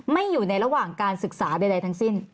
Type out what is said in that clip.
อยู่ในระหว่างการศึกษาใดทั้งสิ้น